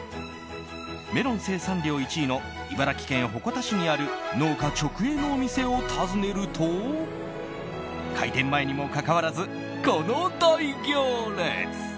メロン生産量１位の茨城県鉾田市にある農家直営のお店を訪ねると開店前にもかかわらずこの大行列。